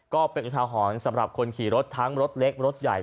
ก็เป็นอุทาหรณ์สำหรับคนขี่รถทั้งรถเล็กรถใหญ่